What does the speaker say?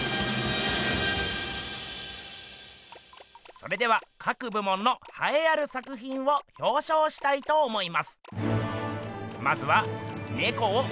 それでは各部門のはえある作品をひょうしょうしたいと思います。